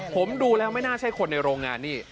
ผมดูแล้วไม่น่าใช่คนในโรงงานนี่